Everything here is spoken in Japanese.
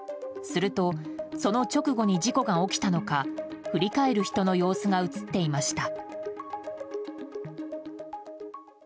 すると、その直後に事故が起きたのか振り返る人の様子が映っていました。